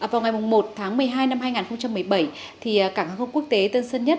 vào ngày một tháng một mươi hai năm hai nghìn một mươi bảy cảng hàng không quốc tế tân sơn nhất